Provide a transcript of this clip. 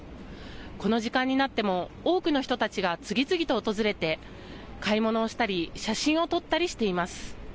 この時間になっても多くの人たちが次々と訪れて、買い物をしたり写真を撮ったりしています。